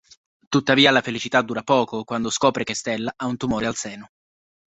Tuttavia la felicità dura poco quando scopre che Stella ha un tumore al seno.